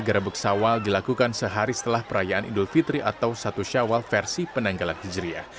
garam buksawal dilakukan sehari setelah perayaan idul fitri atau satu syawal versi penanggalan hijriyah